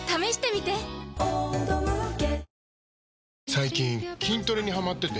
最近筋トレにハマってて。